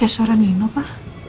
kesoran ini apa